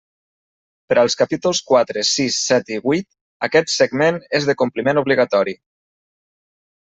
Per als capítols quatre, sis, set i huit, aquest segment és de compliment obligatori.